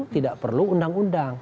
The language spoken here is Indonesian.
tidak perlu undang undang